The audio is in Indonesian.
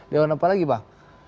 dewan apa lagi pak